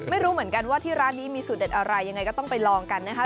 ไม่รู้เหมือนกันว่าที่ร้านนี้มีสูตรเด็ดอะไรยังไงก็ต้องไปลองกันนะคะ